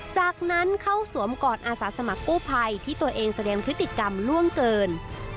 จากนั้นเข้าสวมกอดอาสาสมัครกู้ภัยที่ตัวเองแสดงพฤติกรรมล่วงเกิน